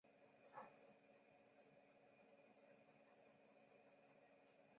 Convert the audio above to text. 范惟悠是太平省太宁府琼瑰县同直总芹泮社出生。